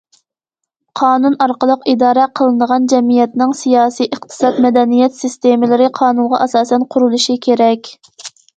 قانۇن ئارقىلىق ئىدارە قىلىنىدىغان جەمئىيەتنىڭ سىياسىي، ئىقتىساد، مەدەنىيەت سىستېمىلىرى قانۇنغا ئاساسەن قۇرۇلۇشى كېرەك.